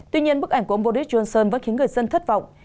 tuy nhiên bức ảnh của ông boris johnson vẫn khiến người dân thất vọng